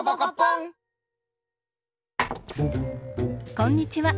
こんにちは。